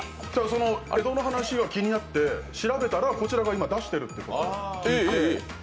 江戸の話が気になって調べたらこちらが今出してるということで。